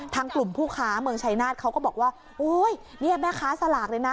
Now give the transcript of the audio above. ทางกลุ่มผู้ค้าเมืองชายนาฏเขาก็บอกว่าโอ้ยเนี่ยแม่ค้าสลากเลยนะ